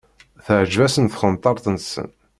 Teεǧeb-asen tqenṭert-nsen.